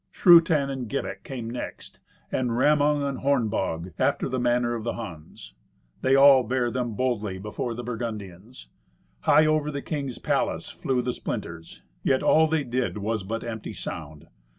Schrutan and Gibek came next, and Ramung and Hornbog, after the manner of the Huns. They all bare them boldly before the Burgundians. High over the king's palace flew the splinters. Yet all they did was but empty sound.